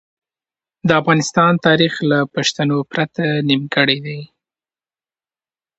د افغانستان تاریخ له پښتنو پرته نیمګړی دی.